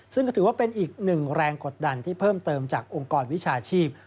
ซึ่งก็ถือว่าเป็นอีกหนึ่งแรงกดดันที่เพิ่มเติมจากองค์กรวิชาชีพ